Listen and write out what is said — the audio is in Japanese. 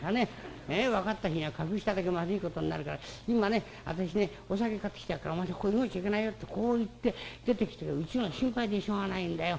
分かった日には隠しただけまずいことになるから『今ね私ねお酒買ってきてあげるからお前さんここ動いちゃいけないよ』ってこう言って出てきたからうちのが心配でしょうがないんだよ。